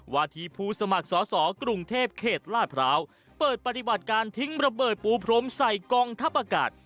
วาทีผู้สมัครสอสอกรุงเทพเขตลาดพร้าวเปิดปฏิบัติการทิ้งระเบิดปูพรมใส่กองทัพอากาศ